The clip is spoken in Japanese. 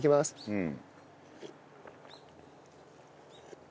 うん。